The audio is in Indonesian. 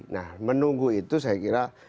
nah menunggu itu saya kira